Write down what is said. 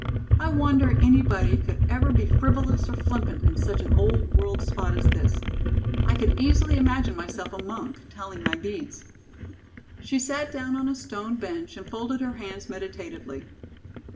"I wonder anybody could ever be frivolous or flippant in such an old world spot as this. I could easily imagine myself a monk, telling my beads." She sat down on a stone bench and folded her hands meditatively.